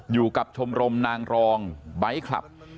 อยู่กับชมรมนางรองไบท์คลับ